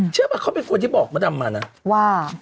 เชื่อป่ะเขาเป็นคนที่บอกประดับมานะว่า